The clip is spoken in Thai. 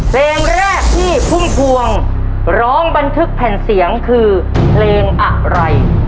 เพลงแรกที่พุ่มพวงร้องบันทึกแผ่นเสียงคือเพลงอะไร